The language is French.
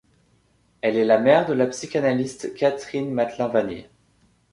Elle est la mère de la psychanalyste Catherine Mathelin-Vanier.